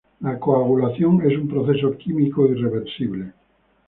La coagulación es un proceso químico irreversible.